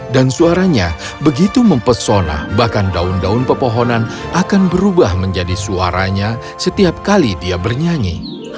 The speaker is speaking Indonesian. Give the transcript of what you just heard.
dan suaranya begitu mempesona bahkan daun daun pepohonan akan berubah menjadi suaranya setiap kali dia bernyanyi